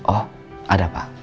oh ada pak